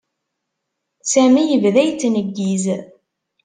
Sami yebda yettneggiz.